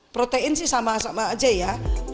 protein sih sama sama aja ya